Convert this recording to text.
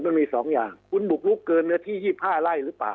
มันมีสองอย่างคุณบุกรุกเกินเนื้อที่ยี่พ้าไล่หรือเปล่า